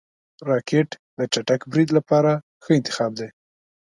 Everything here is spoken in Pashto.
راکټ د چټک برید لپاره ښه انتخاب دی